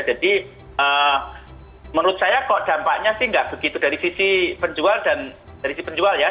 jadi menurut saya kok dampaknya sih nggak begitu dari sisi penjual dan dari sisi penjual ya